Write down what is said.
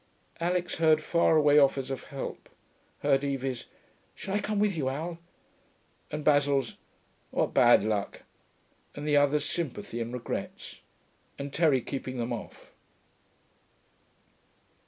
Alix heard far away offers of help; heard Evie's 'Shall I come with you, Al?' and Basil's 'What bad luck,' and the others' sympathies and regrets, and Terry keeping them off.